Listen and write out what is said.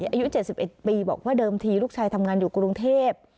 อายุ๗๑ปีบอกว่าเดิมทีลูกชายทำงานอยู่กรุงเทพ